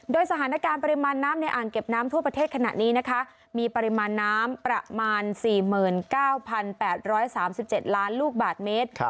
โดยสถานการณ์ปริมาณน้ำในอ่างเก็บน้ำทั่วประเทศขณะนี้นะคะมีปริมาณน้ำประมาณ๔๙๘๓๗ล้านลูกบาทเมตร